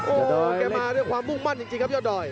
โอ้โหแกมาด้วยความมุ่งมั่นจริงครับยอดดอย